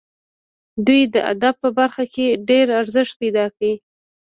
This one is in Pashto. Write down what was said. دوی د ادب په برخه کې ډېر ارزښت پیدا کړ.